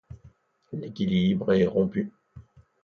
L'équilibre est rompu.